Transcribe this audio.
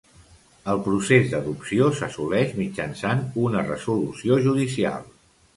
El procés d'adopció s'assoleix mitjançant una resolució judicial.